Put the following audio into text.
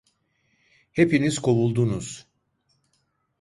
Hepiniz kovuldunuz.